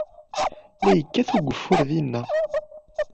La yekkat ugeffur dinna.